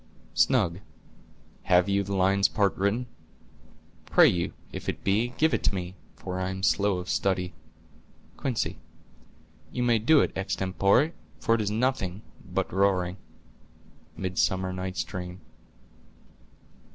"Snug.—Have you the lion's part written? Pray you, if it be, give it to me, for I am slow of study. Quince.—You may do it extempore, for it is nothing but roaring." —Midsummer Night's Dream.